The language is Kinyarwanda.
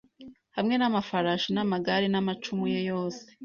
Hamwe namafarashi namagare Namacumu ye yose